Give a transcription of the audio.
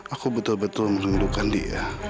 aku betul betul merindukan dia